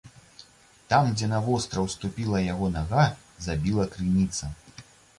Там, дзе на востраў ступіла яго нага, забіла крыніца.